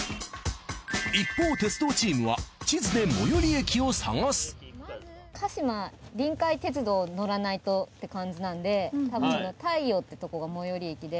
一方鉄道チームは鹿島臨海鉄道乗らないとって感じなんで大洋ってとこが最寄り駅で。